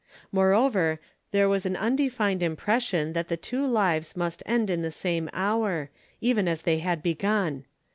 Moreover, there was an undefined impression that the two lives must end in the same hour, even as they had begun.